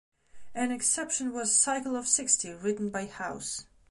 An exception was "Cycle of Sixty", written by Howse.